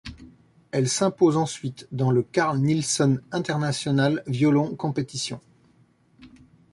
Elle s'impose ensuite dans le Carl Nielson international violon competition.